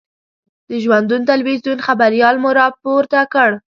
د ژوندون تلویزون خبریال مو را پورته کړ.